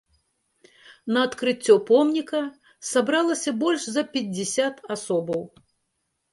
На адкрыццё помніка сабралася больш за пяцьдзясят асобаў.